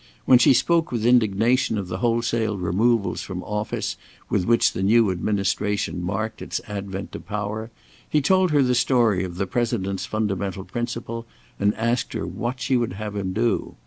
When she spoke with indignation of the wholesale removals from office with which the new administration marked its advent to power, he told her the story of the President's fundamental principle, and asked her what she would have him do.